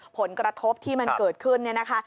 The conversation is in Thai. ผลกระทบที่มันเกิดขึ้นเนี่ยนะคะ